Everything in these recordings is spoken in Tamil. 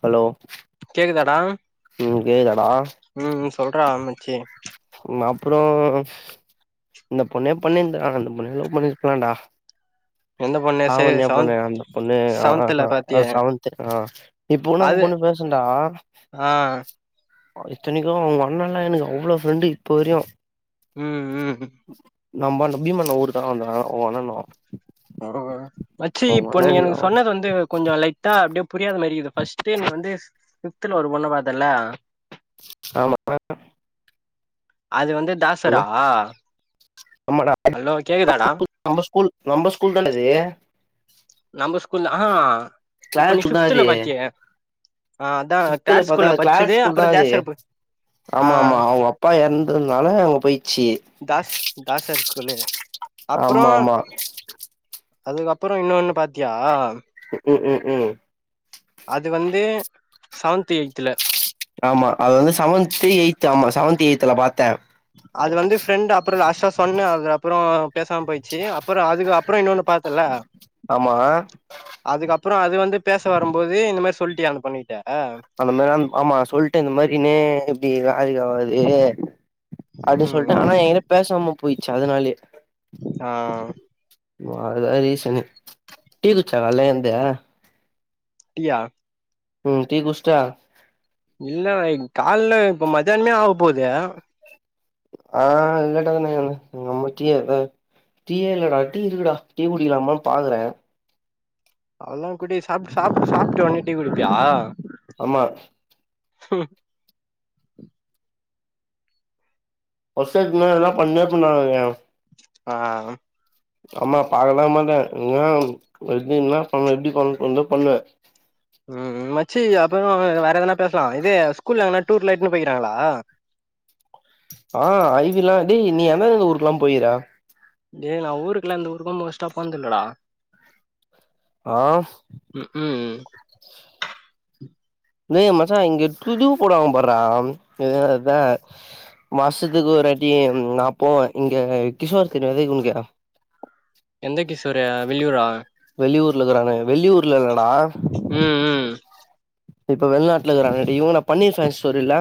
ஹலோ கேக்குதாடா ம் கேக்குதாடா ம் சொல்ரா மச்சி ம் அப்றோ இந்த பொண்ணே பண்ணிருந்தா அந்த பொண்ண லவ் பண்ணிருக்லாடா எந்த பொண்ணு சேரி ஆவண்யா பொண்ணு செவன்த் அந்த பொண்ணு ஆ செவன்த்ல ஹா பாத்தியே செவன்த்து ஆ இப்போனா அந்த அது பொண்ணு பேசு டா ஆ இத்தனிக்கு அவுங்க அண்ணலா எனக்கு அவ்ளோ ஃப்ரெண்டு இப்ப வரையு ம் ம் நம்ப அந்த பீமாண்ணே ஊரு தா அந்த அவுங்க அண்ணணு மச்சி இப்போ நீ எனக்கு சொன்னது வந்து கொஞ்சொ லை ட்டா அப்டே புரியாத மாரியிது ஃபர்ஸ்ட்டு நீ வந்து ஃபிஃப்த்துல ஒரு பொண்ண பாத்தல ஆமா அது வந்து ஹலோ தாசரா ஆமாடா ஹலோ கேக்குதாடா நம்ப ஸ்கூல் நம்ப ஸ்கூல் தான்டா அது நம்ப ஸ்கூல் ஆ இப்ப கிளாஸ் நீ ஸ்கூல் தா ஃபிஃப்த்துல இது பாத்தியே ஆ அதா ஃபிப்த்துல தேர்ட் பாத்தா ஸ்கூல்வ பச்சது அப்றோ தேசரப்பு ஆமாமா அவுங்க அப்பா எற்ந்ததுனால அங்க போய்ச்சி தாஸ் தாஸ் சார் ஸ்கூல்லு ஆமா ஆமா [unintelligible] அதுக்கப்றோ இன்னொனு பாத்தியா ம் ம் ம் அது வந்து செவன்த் எய்த்துல ஆமா அது வந்து செவன்து எய்து ஆமா செவன்த் எய்துல பாத்தே அது வந்து ஃப்ரெண்ட் அப்றோ லாஸ்ட் டா சொனனே அதுக்கு அப்றோ பேசாம போய்ருச்சு அப்றோ அதுக்கு அப்றோ இன்னொன்னு பாத்தல ஆமா அதுக்கப்றோ அது வந்து பேச வரும் போது இந்த மாதிரி சொல்ட்டியா அந்த பொண்ணுட்ட அந்த மாரிலா ஆமா சொல்ட்டு இந்த மாரினே இப்டி இது வேலைக்கு ஆவாதுன்னே அப்டின்னு ம் சொல்ட்டே ம் ஆனா எங்கிட்ட பேசாம பொய்ட்ச்சி அதுனாலையே அ அத ரீசன்னு டீ குட்சியா கால்ல எழ்ந்து டீயா ம்ம் டீ குட்சிட்டே இல்ல கால்ல இப்ப மத்தியானமே ஆக போது ஆ இல்லாட தம்பி இனிமே டீ எங்க டீ ஏ இல்ல டா டீ இருக்குடா டீ குடிலாமனு பாக்குறே அவல்தா குடி சாப் சாப் சாப்ட்டு வன்ட்டு டீ குடுப்பியா ஆமா ம் ஒசேக்லா அது மாரி எதனா பண்ணிணே இருப்போ நாங்க அ ஆமா பாக்கல மாட்டே எ என்ன என்னா பண்ண எப்டி பண்ண தோணுதோ பண்ணு ம் மச்சி அப்றோ வேற எதனா பேசலா இதே ஸ்கூல்லல எங்கனா டூர்ல இட்டுன்னு பொயிக்காங்ளா ஆ ஐ வி லா டே நீ எந்தெந்த ஊர்குல்லா பொய்க்குற டே நா ஊருக்குல்ல எந்த ஊருக்கு நா மோஸ்ட்டா ஆ போனது இல்லடா ஆவ் ம்ம் டே மச்சா இங்க துது போடுவாங்க பார்மா இத அத மாசத்துக்கு ஒருவாட்டி நா போவே இங்க கிஷோர் கினி தெரியுல உன்க்கு எந்த கிஷோரு வெளியூரா வெளியூர்ல இருக்குறானே வெளியூர்ல இல்லடா ம் ம் இப்ப வெள்நாட்ல இருக்குறானே இவுங்க பன்னீர் [unintelligible] ஸ்டோர் இல்ல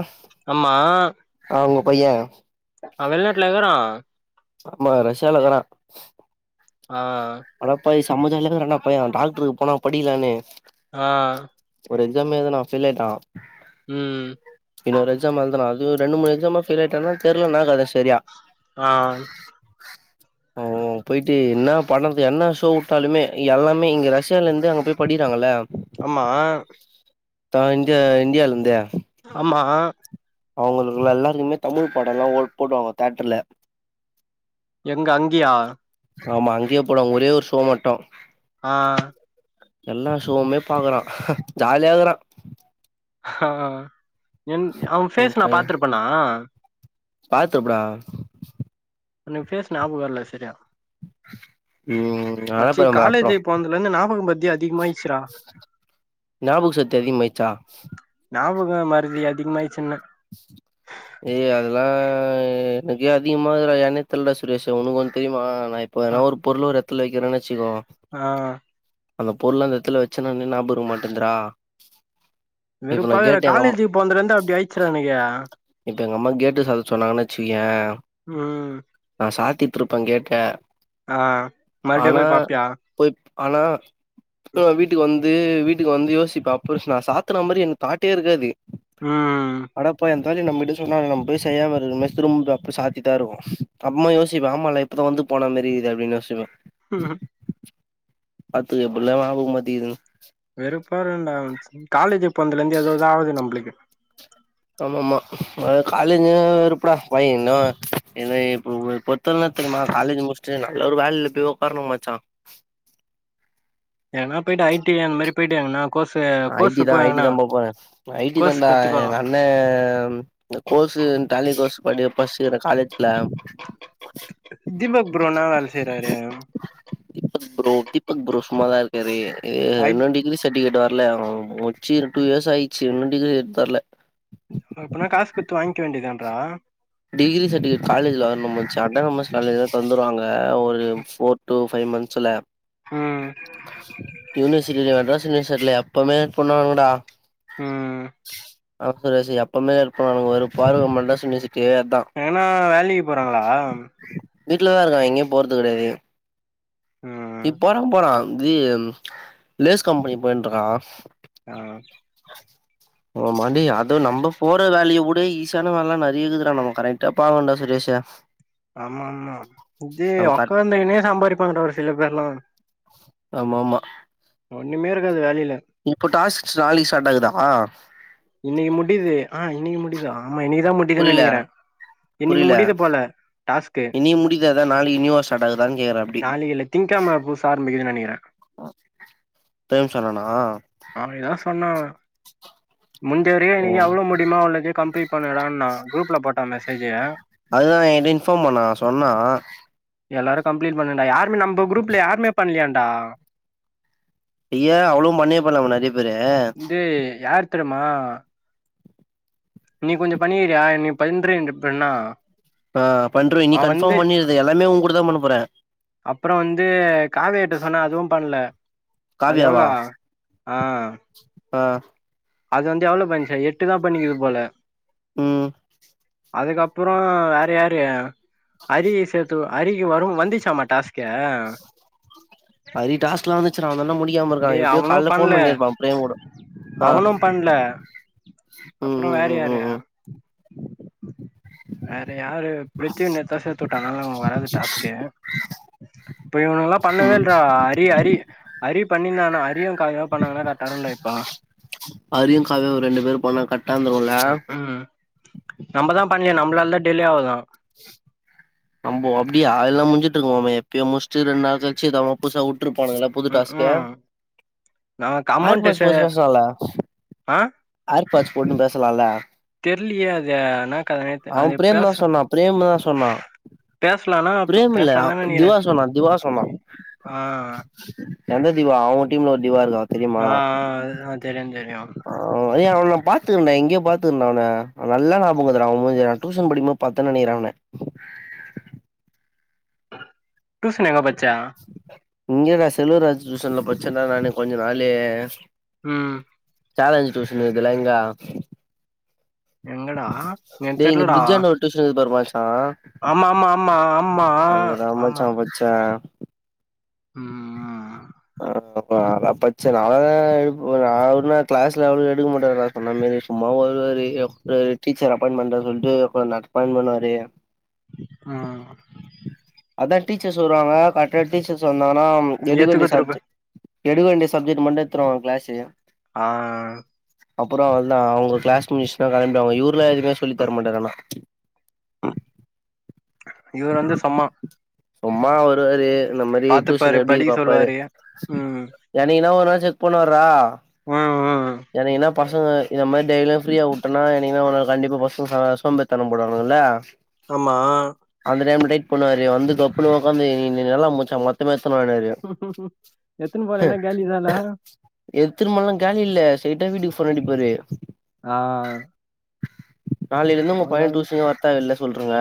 ஆமா அவுங்க பைய வெள்நாட்லியா இருக்குறா ஆமா ரஷ்யால இக்குறா அ அனா பைய செம்ம ஜாலியா இருக்கறான்டா பைய டாக்ட்ருக்கு போனா படிக்கலானு அ ஒரு எக்ஸாம் எழுதுனா ஃபெயில் ஆய்ட்டா ம் இன்னொரு எக்ஸாம் எழுதனா ரெண்டு மூணு எக்ஸாம்ல ஃபெயில் ஆய்ட்டானா தெர்ல என்ன கதனு சரியா ஆ ம் போயிட்டு என்னாப் பண்ணறது என்ன ஷோ விட்டாலுமே எல்லாமே இங்க ரஷ்யால இருந்து அங்க போய் படிறாங்கல்ல ஆமா தா இங்க இண்டியால இருந்து ஆமா அவங்களுக்கு எல்லாருக்குமே தமிழ் படம் எல்லாம் போடுவாங்க தேட்டர்ல எங்க அங்கியா ஆமா அங்கயே போடுங்க ஒரே ஒரு ஷோ மட்டும் ஆ எல்லா ஷோமே பாக்குறான் ஜாலியாகக்குறான் அ என் அவன் பேஃஸ் நா பாத்துருப்பேணா பாத்து ப்ரோ எனக்கு ஃபேஸ் ஞாபகம் இல்ல சரியா ம் மச்சி அனுப்புற ப்ரோ அப்றோ காலேஜு போனதுல இருந்து ஞாபக மறதி அதிகமாயிடுச்சுரா ஞாபக சத்தி அதிகமாயிடுச்சா ஞாபகம் மறதி அதிகமாயிருச்சுன்னே ஏய் அதெல்லாம் எனக்கே அதிகமா இருக்குதுடா ஏன்னே தெரியல டா சுரேஷ உனக்கு ஒண்ணு தெரியுமா நா இப்ப ஆ ஏதுனா ஒரு பொருள் ஒரு இடத்துல வக்கிறேன்னு வச்சுக்கோ ஆ அந்த பொருள் எந்த இடத்துல வச்சன்னா ஞாயபகம் இருக்க மாட்டேந்துரா வெறுப்பா இருக்குறா அம்மா காலேஜுக்கு போனதுல அப்படி ஆயிடுச்சுறா எனக்கு இப்ப எங்க அம்மா கேட்டு சாத்த சொன்னாங்கன்னு வச்சுக்கோயேன் ம் நான் சாத்திட்டிருப்பேன் கேட்ட ஆ மறுபடியும் ஆனா போய் பாப்பியா போய் ஆனா இப்போ வீட்டுக்கு வந்து வீட் க்கு வந்து யோசிப்ப அப்ப நான் சாத்துன மாதிரி எனக்கு தாட்டே இருக்காது ம் அடப்போயா [unintelligible] சொன்னா நம் போய் செய்யாம திரும்ப சாத்தித்தா இருக்கு அப்பரமா யோசிப்ப ஆமால அதான் வந்து போன மேரி இருக்கு அப்படின்னு நா சொல்லுவேன். ம் பாத்துக்க எப்படி எல்லா ஞாபக மறதி இருக்ன்னு வெறுப்பா இருக்கும் டா காலேஜ் போனதுல இருந்து ஏதுதோதா ஆகுது நம்பளுக்கு ஆமா ஆமா காலேஜ் வெறுப்புடா பைய இன்னும் [unintelligible] அப்றம் என்ன தெரியுமா காலேஜ் முடிச்சுட்டு நல்ல ஒரு வேலைல போய் உடக்காரணும் மச்சா எங்கணா போயிட்டு ஐ டி அந்த மாறி போயிட்டு எங்கண்ணா ஐ டி தான் ஐ டி தான் போப்போறேன் ஐ. டி கோர்ஸ் தான்டான்டா கத்துக்கோ எங்க அண் என்ன இந்த, கோர்ஸ் டாலி கோர்ஸ படி படிக்கிறே காலேஜ்ல தீபக் ப்ரோ என்ன வேல செய்றாரு தீபக் ப்ரோ தீபக் ப்ரோ சும்மாதா இருக்காரு ஐ என்ன டீடைல்ஸ் சர்டிபிகேட் வரல முச்சு டூ இயர்ஸ் ஆயிச்சு இன்னும் டிகிரி எடுத்து தரல அப்பனா காசு குடுத்து வாங்கிக்க வேண்டியதுதானடா டிகிரி சர்டிபிகேட் காலேஜல வருனு மச்சா அதுத நம்ம காலேஜ்லா தந்துருவாங்க ஒரு ஃபோர் டூ ஃபைவ் மந்த்ஸ்ல ம் யூனிவர்சிட்டில மெட்ராஸ் யூனவர்சிட்டில எப்பவுமே பண்ணுவாங்கடா ம் அந்த ரேசு எப்பமே இருப்பானுங்க ஒரு பார்வ மெட்ராஸ் யுனிவர்சிட்டி அதான் எங்கன்னா வேலைக்கு போறாங்களா வீட்லதா இருக்கான் எங்கியும் போறது கெடையாது ம் இப்போ போறா வி லேஸ் கம்பெனி போயின்ட்டுருக்கான் ஆ ஓமாண்டி அது நம்ப போற வேலைய உட ஈசியான வேல இன்னாரு இது தா நம்ம கரெட்டு பாவண்டா சுரேஷூ ஆமா ஆமா இது கரெ உக்காந்துக்கினே சம்பாரிப்பாங்க ஒரு சில பேர்லா ஆமா ஆமா ஒன்னுமே இருக்காது வேலயில இப்போ டாஸ்க் நாளைக்கு ஸ்டார்ட் ஆகுதாமா இன்னைக்கு முடியுது ஆ இன்னைக்கு முடியுது ஆமா இன்னைக்குதா முடியுதுன்னு புரியல நெனைக்கிற இன்னைக்கு புரியல முடியுது போல டாஸ்க்கு இன்னைக்கு முடிததா நாளைக்கு நியூவா ஸ்டார்ட் ஆகுதான்னு கேக்குறே அப்டி நாலக்கி இல்ல திங்க் கெம புதுசா ஆரம்பிக்குதுன்னு நெனக்கிற தேம் சொன்னான அவங்கதா சொன்னா முஞ்சவரைக்கு ஓ இன்னைக்கு அவ்ளோ முடியுமா அவ்ளோ இது கம்ப்ளீட் பண்ணுடான்ன குரூப்ல போட்டா மெசேஜிய அதுதா என்கிட்ட இன்ஃபாம் பண்ண சொன்னா எல்லாரு கம்ப்ளீட் பண்ணோம் டா யாருமே நம்ப குரூப்ல யாருமே பண்ணலியான்டா ஏ அவளும் மண்ணே பண்ணலா உன்ன அ பரே இந்து யார் தெர்மா நீ கொஞ்ச பண்ணிகிறியா நீ பன்ற இப்ப இன்னா ஆ பண்றோ நீ கன்ஃபாம் பண்ணிறது எல்லாமே ஓங்க் கூடதா பண்ண போற அப்புறம் வந்து காவியாட்ட சொன்னா அதுவும் பண்ல அது காவியாவா எவ்ளோ ஆ ஆ அது வந்து எவ்ளோ பன்னிச்சா எட்டு தா பண்ணிக்கிது போல ம் அதுக்கப்றோ வேற யாரு ஹரிய சேத்து ஹரிக்கு வரும் வந்துச்சாம்மா டாஸ்க்கு ஹரி டாஸ்க்லா வந்து ச்சன வந்த ஒன்னே முடிக்காம இருக்கான் டேய் எப்டியோ அவனு கால்ல பண்ல ஃபோன் பண்ணிருப்பா பிரேம் கூட ஆ ம் அப்புறம் ம் வேற ம் யாரு ம் ம் வேற யாரு பிரித்திவு நேத்திதா சேத்து உட்டாங்க அதனால் அவனுக்கு வராது டாஸ்க்கே இப்ப இவனுங்கலா பண்ணவே ம் இல்ற அரி அரி அரி இன்னான ஹரியும் காவியாவு பண்ணாங்கன்னா கரட்டான்டா இருக்கும் அரியும் காவியாவும் ரெண்டு பேரும் பண்ணா கரட்டா இந்துருக்கும்ல ம் ம் நம்பதா பண்லே நம்பளால தா டிலே ஆவுதா நம்போ அப்டியா எல்லாம் முஞ்சிட்டு இருக்குமாமே எப்பயோ முடிச்ட்டு ரெண்டு நாள் கழிச்சி நிதனாம புதுசா வுட்ருப்பானுங்கள புது டாஸ்க ம்ஹூம் நமக்கு ஆர் அமௌண்ட் பாட்ஸ் சே போட்டு பேசலால ஆ ஆர் பாட்ஸ் போட்டு பேசலால தெர்லயே அது என அவெ பிரேம் தா சொன்னா பிரேமு தா சொன்னா பேசலானா பிரேம் இல்ல பேசலான்தா நெனைக்கிறே திவா சொன்னா திவா சொன்னா ஆ எந்த திவா அவுங்க டீம்ல ஒரு திவா இருக்கா ஆ ஆ அது தெரியு தெரியு ஆ எ அவன நா பாத்துருகறன்டா எங்கயோ பாத்துருகறன்டா அவன நல்லா நாபகோ இருக்குதுடா அவெ முஞ்சிய நா டியூஷன் படிக்கும்போது பாத்தேன் நெனைக்கிறே அவன டூசன் எங்க பச்ச இங்கதா செல்வராஜ் டூசன்ல படுச்சன்டா நானு கொஞ்ச நாளு ம் சாலஞ்சு டூசன் இருக்குதுல இங்க எங்கடா எனக்கு தெர்லடா டூசன் பேரு மாச்சா ஆமா ஆமா ஆமா ஆமா ஆமா த ம் ம் ஆ ஆ அப்ப நா பச்சே நா அவ்ளதா நா ஒழுங்கா கிளாஸ் லெவல்லா எடுக்க மாட்டே சொன்ன மாரி சும்மா வருவாரு எப்ப டீச்சர் அப்பாய்ன் பண்றே சொல்ட்டு அப்ப நப்பாய்ண்ட் பண்ணுவாரு ஆ அதா டீச்சர் சொல்றாங்க கரட்டா டீச்சர்ஸ் வந்தாங்கனா எடுக்க ஏத்துக்க வேண்டிய திருப்பு சப்ஜெக்ட் எடுக்க வேண்டிய சப்ஜெக்ட் மட்டு எத்துருவோ கிளாஸு ஆ அப்பறோ வந்தா அவுங்க கிளாஸ் மிஸ்ளா கெளம்பிடுவாங்க இவரு தா எதுமே சொல்லித்தர மாட்டாரு ஆனா இவரு வந்து சம்மா சும்மா வருவாரு இந்த மாரி டூசன் பாத்துப்பாரு எப்டின் படிக்க பாப்பாரு சொல்லுவாரு ம் எனகினா ஒரு நாள் செக் பண்வார்றா ம் ம் எனகினா பசங்க இந்த மாரி டெய்லியு ஃப்ரீயா வுட்டனா என்னகினா ஒரு நாள் கண்டிப்பா பசங்க ச சோம்பேரிதன படுவாங்கல்ல ஆமா அந்த டைம்ல டைட் பண்ணுவாரு வந்து தொப்புனு உக்காந்து இன்னக்கி நீ நல்லா மொச்சா மொத்தமா எத்துனுவருவாரு எத்துனு போலன்னா காலி தானா எத்துனு போனா காலி இல்ல ஸ்ரைட்டா வீட்டுக்கு ஃபோன் அடிப்பாரு ஆ ஆ நாலேல இருந்து ஒங்க பையே டூசன்க்கு வர்த்தா இல்லயா சொல்றுங்க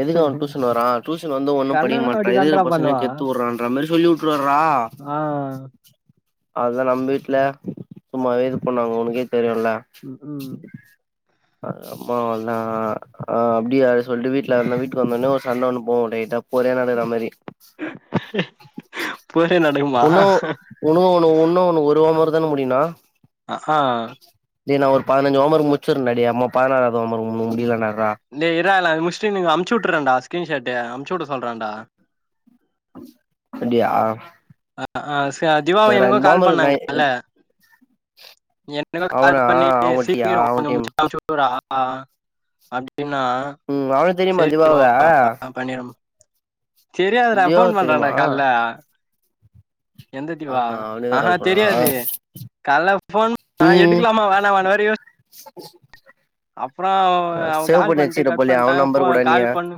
எதுக்கு அவெ டூசன் வரா டூஷன் வந்து ஒன்னு படிக்க கண்ணனு மாட்றா இருக்குற அப்டிதான்றா பசங்களையு பண்ணுவா கெடுத்து வுற்றான்ற மாரி சொல்லி வுட் ட்றாரா ஆ ஆ அதா நம்ம வீட்ல சும்மாவே இது பண்ணுவாங்க உனக்கே தெரியுல்ல ம் ம் அம்மா அவ்ளதா நா அப்டியா சொல்ட்டு வீட்ல வந்தா வீட்டுக்கு வந்தோனே ஒரு சண்ட ஒன்னு போகு டைட்டா ஒரே நடகற மாரி போரே நடக்குமா ஒன்னு வுன்னோ ஒண்ணு வுன்னோ ஒண்ணு ஒரு வார மாரி தான முடியனு ஆ ஆ டே நா ஒரு பதினஞ்ச ஓமருக்கு முச்சிர்றன்டா டே அம்மா பதினறாவ்து ஓமரு மு முடியலடா இர்றா டே இர்ரா நா இது முச்சுட்டு நீங்க அமுச்சு வுட்டுறேண்டா ஸ்கிரீன்ஷாட்டு அமுச்சு வுட சொல்றான்டா அப்டியா அ ஆ ச திவாவ சேர்ரா எனக்கு இந்த ஹோம் கால் ஒர்க் நா பண்ணாங்கல்ல [inaudible] அவனா அவன்ட்டியா அவன்ட்டியா [inaudible] அப்டின்னா ம் அவன தெரியுமா திவாவ பண்ணிறம் தெரியாது டா திவாவ ஃபோன் தெரியுமா பண்றான்டா கால்ல எந்த திவா ஆஹா அவனேதா அ ஆ கால் பண்ணனா தெரியாது கால்ல ஃபோன் [inaudible] ம் எடுக்கலாமா வேணமானு வேற யோ அப்றோ அவ அவ சேவ் கால் பண்ணி பண்ட்டு வச்சுக்கிற கட் போலயே பண்ட்டா அவன் போ நம்பர் கூட நீ கால் பண்ணு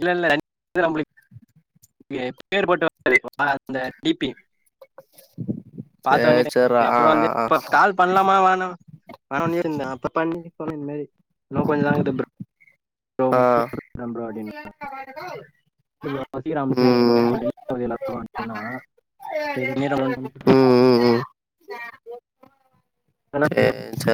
இல்லல்ல [inaudible] நம்ளுக் [inaudible] பாத்தோனே சேர் சேர்ரா [inaudible] ஆ அப்ற ஆ வந்து ஆ இப்ப கால் பண்லாமா வேணா பண்ணியிர்ந்தே அப்ப பண்ணி சொன்ன இந்தமேரி இன்னு கொஞ்ச நா இர்க்குது ப்ரோ ஆ முடிச்சுட்டு இல்ல ப்ரோ சீக்கிறோ அம்ச்சு உடு ப்ரோ ம் [inaudible] ம் [inaudible] ம் ம் ஹலோ சேர் சேர்